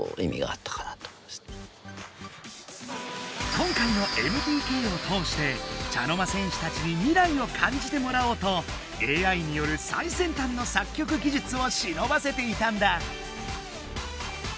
今回のＭＴＫを通して茶の間戦士たちに未来を感じてもらおうとＡＩによる最先端の作曲技術をしのばせていたんだ。